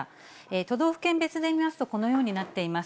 都道府県別で見ますと、このようになっています。